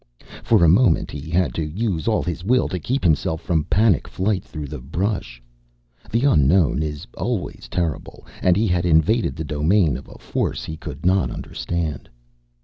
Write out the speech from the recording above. For a moment he had to use all his will to keep himself from panic flight through the brush. The unknown is always terrible, and he had invaded the domain of a force he could not understand.